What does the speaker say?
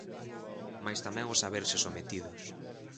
Mais tamén o saberse sometidos.